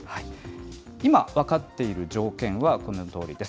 今、分かっている条件はこのとおりです。